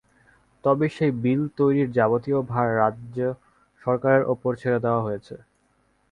তবে সেই বিল তৈরির যাবতীয় ভার রাজ্য সরকারের ওপর ছেড়ে দেওয়া হয়েছে।